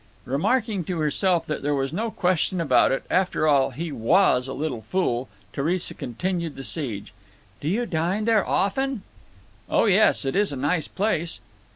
Remarking to herself that there was no question about it, after all, he was a little fool, Theresa continued the siege. "Do you dine there often?" "Oh yes. It is a nice place."